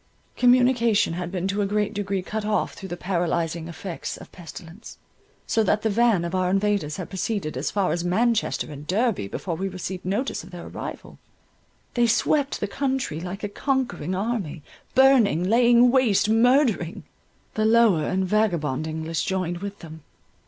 Communication had been to a great degree cut off through the paralyzing effects of pestilence, so that the van of our invaders had proceeded as far as Manchester and Derby, before we received notice of their arrival. They swept the country like a conquering army, burning—laying waste— murdering. The lower and vagabond English joined with them.